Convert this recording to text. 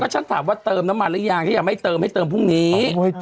ก็ฉันถามว่าเติมน้ำมันน่ะอย่างยังที่อย่างไม่ให้เติมให้เติมพรุ่งนี้